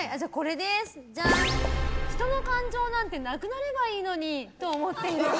人の感情なんてなくなればいいのにと思っている。